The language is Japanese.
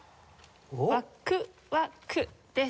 「ワクワク」です。